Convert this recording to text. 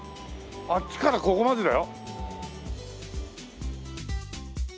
あっちからここまでだよ。